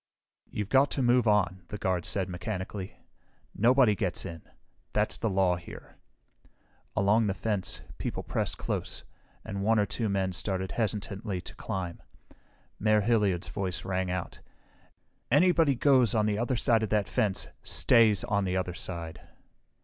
"You've got to move on," the guard said mechanically. "Nobody gets in. That's the law here." Along the fence, people pressed close, and one or two men started hesitantly to climb. Mayor Hilliard's voice rang out, "Anybody who goes on the other side of that fence stays on the other side!"